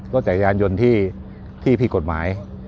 รถจักรยานยนต์ที่ผิดกฎหมาย